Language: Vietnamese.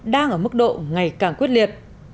đang ở mức độ ngày càng quyết liệt